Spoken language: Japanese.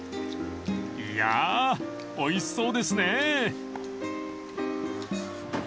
［いやおいしそうですね］うわ。